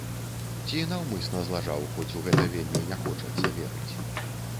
Ці наўмысна злажаў, хоць у гэта вельмі не хочацца верыць.